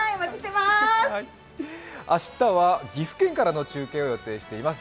明日は岐阜県からの中継を予定しております。